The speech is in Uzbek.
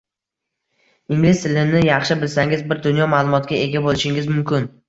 Ingliz tilini yaxshi bilsangiz, bir dunyo ma’lumotga ega bo’lishingiz mumkin